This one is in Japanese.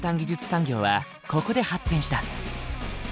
産業はここで発展した。